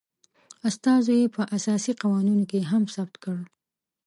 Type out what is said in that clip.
استازو یي په اساسي قوانینو کې هم ثبت کړ